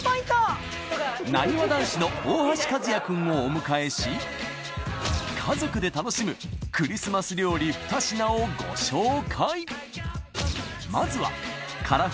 なにわ男子の大橋和也くんをお迎えし家族で楽しむクリスマス料理２品をご紹介！